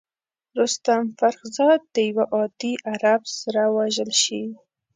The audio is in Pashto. رستم فرخ زاد د یوه عادي عرب سره وژل شي.